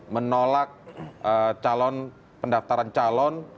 menolak calon pendaftaran calon